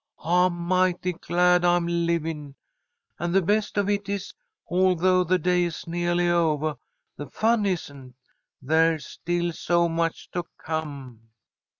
I'm mighty glad I'm living. And the best of it is, although the day is neahly ovah, the fun isn't. There's still so much to come."